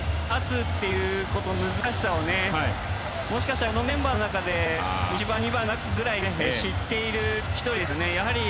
本当に勝つということの難しさをもしかしたらこのメンバーの中で１番２番ぐらい知っている１人ですよね。